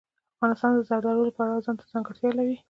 افغانستان د زردالو له پلوه ځانته ځانګړې ځانګړتیاوې لري.